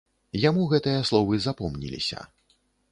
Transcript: Яму гэтыя словы запомніліся.